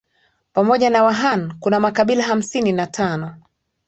Pamoja na Wahan kuna makabila hamsini na tano